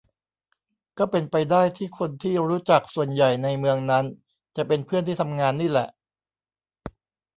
ก็เป็นไปได้ที่คนที่รู้จักส่วนใหญ่ในเมืองนั้น จะเป็นเพื่อนที่ทำงานนี่แหละ